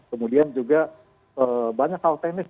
kemudian juga banyak hal teknis